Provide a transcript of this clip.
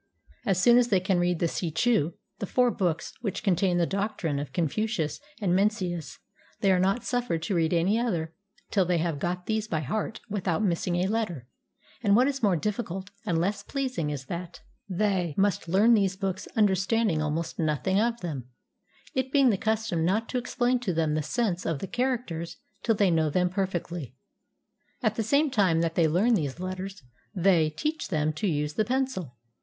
As soon as they can read the "Ssee chu," the four books which contain the doctrine of Confucius and Men cius, they are not suffered to read any other till they have got these by heart without missing a letter; and what is more difficult and less pleasing is that they must learn these books understanding almost nothing of them, it being the custom not to explain to them the sense of the characters till they know them perfectly. At the same time that they learn these letters, they teach them to use the pencil.